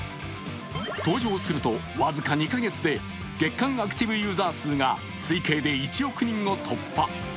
登場すると、僅か２か月で月間アクティブユーザー数が推計で１億人を突破。